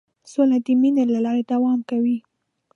سوله د مینې له لارې دوام کوي.